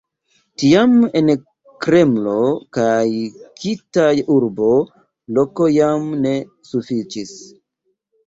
Tiam en Kremlo kaj Kitaj-urbo loko jam ne sufiĉis.